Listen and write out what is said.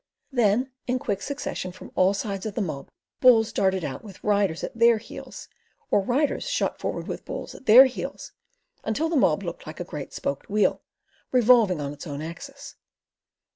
Then in quick succession from all sides of the mob bulls darted out with riders at THEIR heels, or riders shot forward with bulls at their heels, until the mob looked like a great spoked wheel revolving on its own axis.